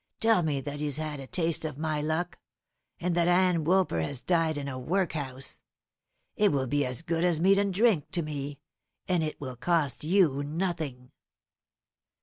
Tell me that he's had a taste of my luck; and that Ann Woolper has died in a workhouse. It will be as good as meat and drink to me, and it will cost you nothing."